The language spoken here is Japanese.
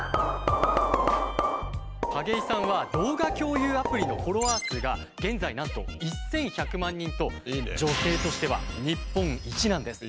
景井さんは動画共有アプリのフォロワー数が現在なんと１，１００万人と女性としては日本一なんです。